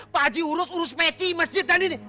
pak haji urus urus peci masjid dan ini